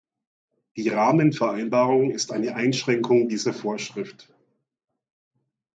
Die Rahmenvereinbarung ist eine Einschränkung dieser Vorschrift.